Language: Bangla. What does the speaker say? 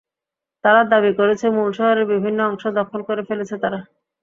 তারা দাবি করেছে, মূল শহরের বিভিন্ন অংশ দখল করে ফেলেছে তারা।